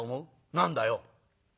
「何だよ？」。